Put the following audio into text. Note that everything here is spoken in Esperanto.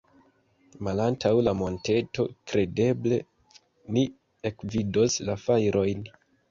Malantaŭ la monteto, kredeble, ni ekvidos la fajrojn.